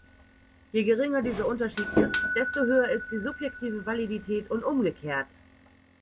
Je geringer dieser Unterschied ist, desto höher ist die subjektive Validität und umgekehrt.